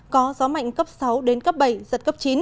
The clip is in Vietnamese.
có gió mạnh cấp sáu đến cấp bảy giật cấp chín